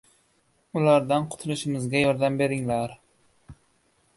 ulardan qutulishimizga yordam beringlar!